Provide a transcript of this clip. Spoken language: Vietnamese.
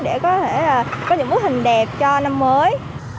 để có những bức hình đẹp cho năm mới